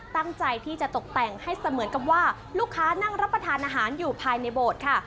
ตั้งใจที่จะตกแต่งให้เสมือนกับว่าลูกค้านั่งรับประทานอาหารอยู่ภายในโบสถ์ค่ะ